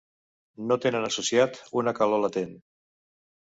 No tenen associat una calor latent.